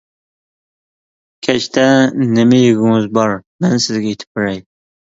كەچتە نېمە يېگۈڭىز بار؟ مەن سىزگە ئېتىپ بېرەي.